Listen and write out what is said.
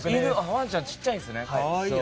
ワンちゃんはちっちゃいんですね。